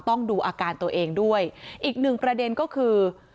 ต้องดูอาการตัวเองด้วยอีกหนึ่งประเด็นก็คือ